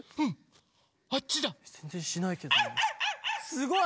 すごい。